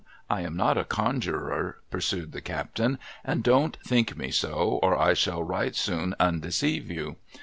'I am not a conjurer,' pursued the captain, 'and don't think me so, or I shall right soon undeceive you.